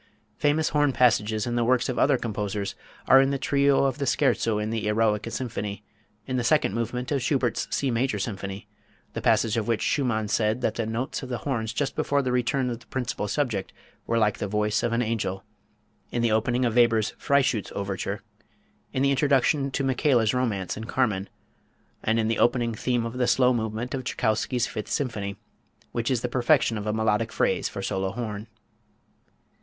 Famous horn passages in the works of other composers are in the trio of the Scherzo in the "Eroica Symphony"; in the second movement of Schubert's C major symphony, the passage of which Schumann said that the notes of the horns just before the return of the principal subject were like the voice of an angel; in the opening of Weber's "Freischütz" overture; in the introduction to Michaela's romance in "Carmen"; and in the opening theme of the slow movement of Tschaikowsky's Fifth Symphony, which is the perfection of a melodic phrase for solo horn.